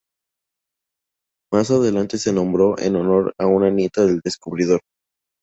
Más adelante se nombró en honor de una nieta del descubridor.